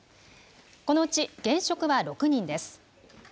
このうち現職は６人です。